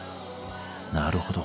なるほど。